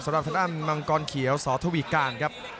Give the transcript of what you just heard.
สำหรับทางด้านมังกรเขียวสอทวีการครับ